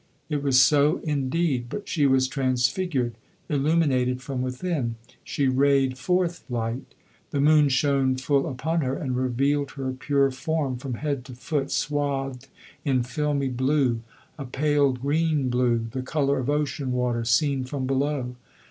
It was so indeed but she was transfigured, illuminated from within; she rayed forth light. The moon shone full upon her, and revealed her pure form from head to foot swathed in filmy blue a pale green blue, the colour of ocean water seen from below.